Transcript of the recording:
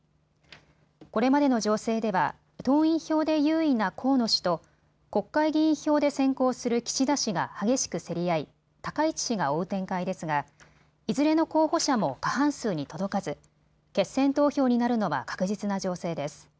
これまでの情勢では党員票で優位な河野氏と国会議員票で先行する岸田氏が激しく競り合い高市氏が追う展開ですがいずれの候補者も過半数に届かず、決選投票になるのは確実な情勢です。